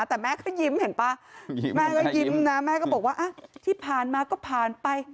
แต่แม่ก็ยิ้มเห็นป่ะแม่ก็ยิ้มนะแม่ก็บอกว่าที่ผ่านมาก็ผ่านไป